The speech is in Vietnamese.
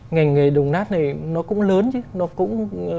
ngành nghề đồng nát này nó cũng lớn chứ nó cũng